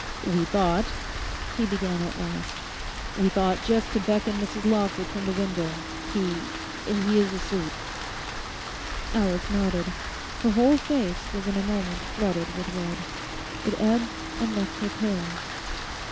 'We thought,' he began at last, 'we thought just to beckon Mrs Lawford from the window. He—he is asleep.' Alice nodded. Her whole face was in a moment flooded with red. It ebbed and left her pale.